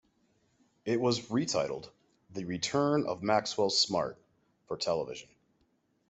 It was retitled "The Return of Maxwell Smart" for television.